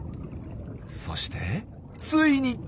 そしてついに！